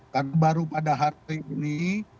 karena baru pada hari ini